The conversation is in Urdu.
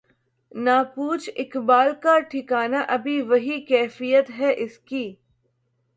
نہ پوچھ اقبال کا ٹھکانہ ابھی وہی کیفیت ہے اس کی